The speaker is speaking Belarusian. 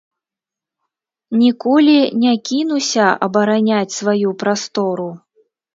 Ніколі не кінуся абараняць сваю прастору.